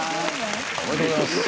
おめでとうございます。